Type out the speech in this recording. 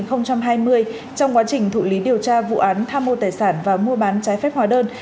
trong quá trình thụ lý điều tra vụ án tham mô tài sản và mua bán trái phép hóa đơn